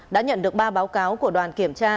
đã nhận được ba báo cáo của đoàn kiểm tra